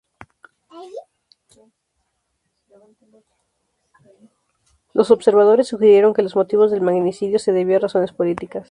Los observadores sugirieron que los motivos del magnicidio se debió a razones políticas.